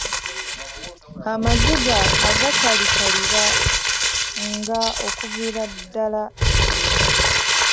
Amaziga agatakaliranga okuviira ddala eyo.